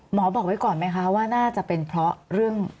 หมอบอกไว้ก่อนไหมคะว่าน่าจะเป็นเพราะเรื่อง